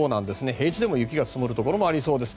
平地でも雪が積もるところがありそうです。